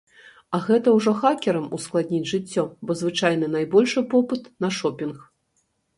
А гэта ўжо хакерам ускладніць жыццё, бо звычайна найбольшы попыт на шопінг.